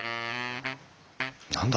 何だ？